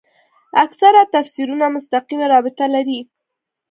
اکثره تفسیرونه مستقیمه رابطه لري.